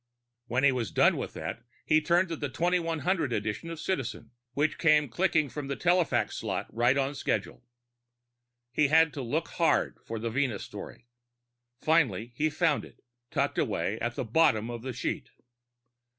When he was done with that, he turned to the 2100 edition of Citizen, which came clicking from the telefax slot right on schedule. He had to look hard for the Venus story. Finally he found it tucked away at the bottom of the sheet.